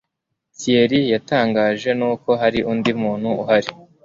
Thierry yatangajwe nuko hari undi muntu uhari.